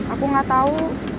aku nggak tahu